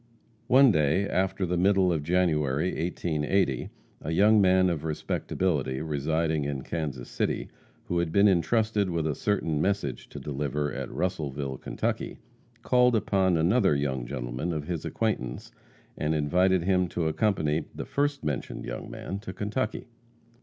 One day, after the middle of January, 1880, a young man of respectability, residing in Kansas City, who had been entrusted with a certain message to deliver at Russellville, Ky., called upon another young gentleman of his acquaintance, and invited him to accompany the first mentioned young man to Kentucky.